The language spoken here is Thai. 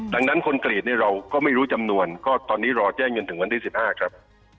ดังนั้นคนกรีดเนี่ยเราก็ไม่รู้จำนวนก็ตอนนี้รอแจ้งจนถึงวันที่๑๕ครับ